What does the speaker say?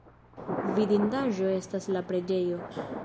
Vidindaĵo estas la preĝejo.